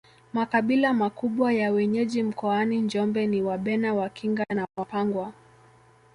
Makabila makubwa ya wenyeji mkoani Njombe ni Wabena Wakinga na Wapangwa